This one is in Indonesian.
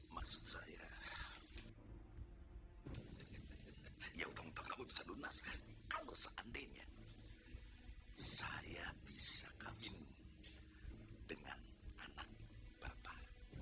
maksud saya ya untuk kamu bisa lunas kalau seandainya saya bisa kagum dengan anak bapak